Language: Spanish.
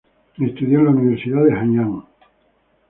Estudió en la Universidad de Hanyang.